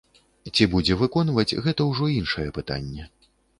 Ці будзе выконваць, гэта ўжо іншае пытанне.